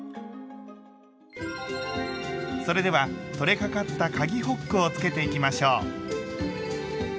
それでは取れかかったかぎホックをつけていきましょう。